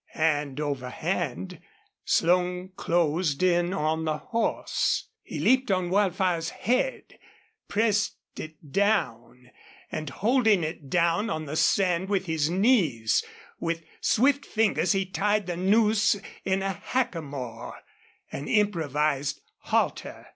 Hand over hand Slone closed in on the horse. He leaped on Wildfire's head, pressed it down, and, holding it down on the sand with his knees, with swift fingers he tied the noose in a hackamore an improvised halter.